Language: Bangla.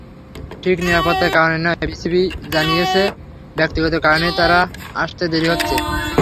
ঠিক নিরাপত্তার কারণে নয়, বিসিবি জানিয়েছে ব্যক্তিগত কারণেই তাঁর আসতে দেরি হচ্ছে।